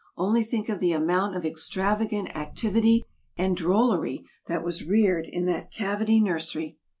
Only think of the amount of extravagant activity and drollery that was reared in that cavity nursery!